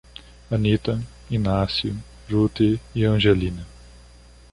Anita, Inácio, Rute e Angelina